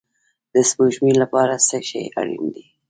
د سپوږمۍ لپاره څه شی اړین دی؟